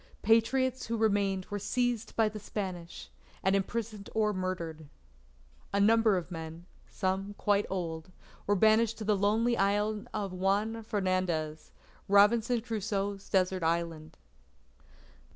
Patriots who remained were seized by the Spanish, and imprisoned or murdered. A number of men, some quite old, were banished to the lonely island of Juan Fernandez Robinson Crusoe's desert island.